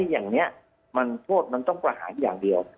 อย่างนี้มันโทษมันต้องประหารอย่างเดียว